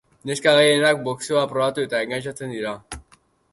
Neska gehienak boxeoa probatu eta engantxatzen dira.